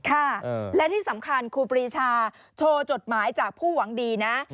ค่ะและที่สำคัญครูปรีชาโชว์จดหมายจากผู้หวังดีนะ